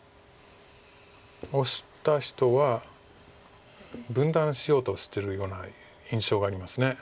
オシた人は分断しようとしてるような印象があります。